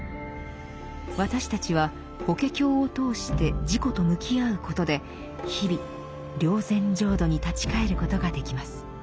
私たちは「法華経」を通して自己と向き合うことで日々「霊山浄土」に立ち返ることができます。